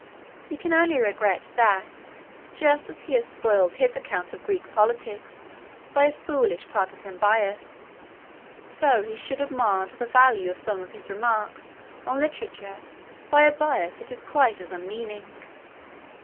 We can only regret that, just as he has spoiled his account of Greek politics by a foolish partisan bias, so he should have marred the value of some of his remarks on literature by a bias that is quite as unmeaning.